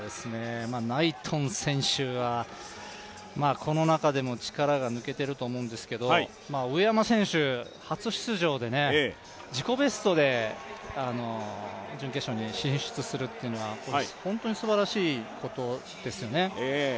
ナイトン選手はこの中でも力が抜けてると思うんですけど上山選手、初出場で自己ベストで準決勝に進出するっていうのは本当にすばらしいことですよね。